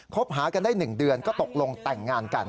หากันได้๑เดือนก็ตกลงแต่งงานกัน